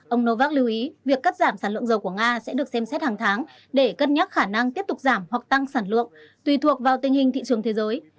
ông novak lưu ý việc cắt giảm sản lượng dầu của nga sẽ được xem xét hàng tháng để cân nhắc khả năng tiếp tục giảm hoặc tăng sản lượng tùy thuộc vào tình hình thị trường thế giới